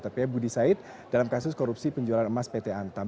tapi ya budi said dalam kasus korupsi penjualan emas pt antam